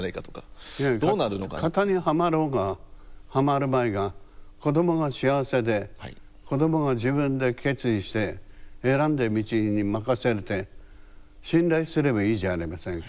型にはまろうがはまるまいが子どもは幸せで子どもが自分で決意して選んだ道に任せて信頼すればいいじゃありませんか。